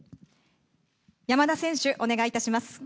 山田選手、お願いいたします。